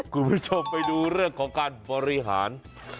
คุณผู้ชมไปดูเรื่องของการบริหาร